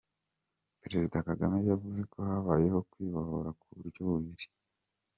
Perezida Kagame yavuze ko habayeho kwibohora ku buryo bubiri.